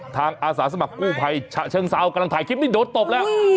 ทางอาสาสมัครอูไพรเชิงเซากำลังถ่ายคลิปนี้โดดตบแล้ว